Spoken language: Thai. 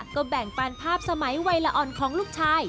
ก็แบ่งปันภาพสมัยวัยละอ่อนของลูกชาย